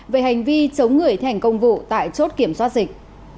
về hành vi chống người thành công vụ tại chốt kiểm soát dịch